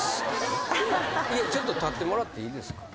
ちょっと立ってもらっていいですか？